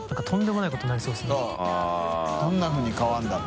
どんなふうに変わるんだろう？